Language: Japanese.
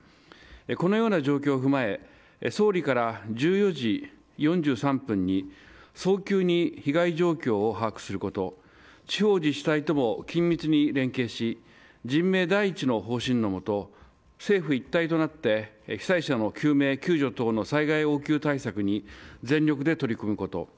このような状況を踏まえ総理から、１４時４３分に早急に被害状況を把握すること地方自治体とも緊密に連携し人命第一の方針のもと政府一体となって被災者の救命救助等の災害応急対策に全力で取り組むこと。